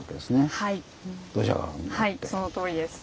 はいそのとおりです。